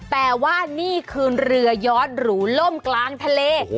แต่ว่านี่คือเรือย้อนหรูล่มกลางทะเล